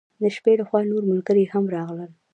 د شپې له خوا نور ملګري هم راغلل.